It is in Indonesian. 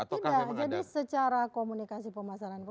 tidak jadi secara komunikasi pemasaran